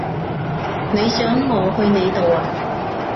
你想我去你度呀？